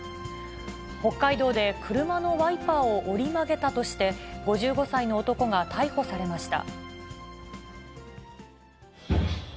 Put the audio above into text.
北海道で車のワイパーを折り曲げたとして、５５歳の男が逮捕されました。